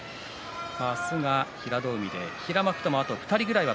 明日が平戸海で平幕ともあと２人ぐらいは